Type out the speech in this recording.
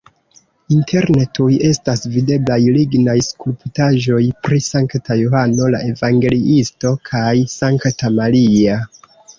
Interne tuj estas videblaj lignaj skulptaĵoj pri Sankta Johano la Evangeliisto kaj Sankta Maria.